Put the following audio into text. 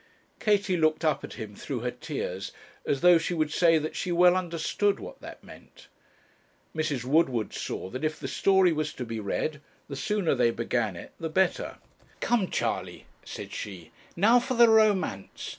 Katie looked up at him through her tears, as though she would say that she well understood what that meant. Mrs. Woodward saw that if the story was to be read, the sooner they began it the better. 'Come, Charley,' said she, 'now for the romance.